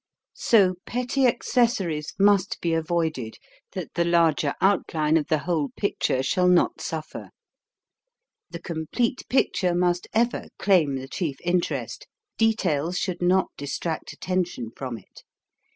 So petty accessories must be avoided, that the larger outline of the whole picture shall not suffer. The complete picture must ever claim the chief interest ; details should not distract attention from it.